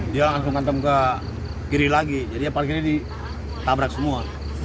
dia langsung ngantem ke kiri lagi jadi parkirnya ditabrak semua